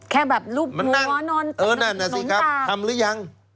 แค่แบบรูปหัวนอนเออนั่นน่ะสิครับทำหรือยัง